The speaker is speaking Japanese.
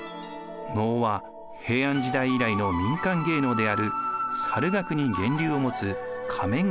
能は平安時代以来の民間芸能である猿楽に源流を持つ仮面劇です。